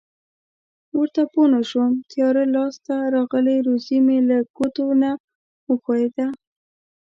ورته پوه نشوم تیاره لاس ته راغلې روزي مې له ګوتو نه و ښویېده.